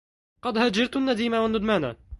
قد هجرت النديم والندمانا